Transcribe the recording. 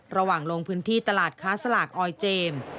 ระหว่างโลงพื้นที่ตลาดค้าสลากออยเจมส์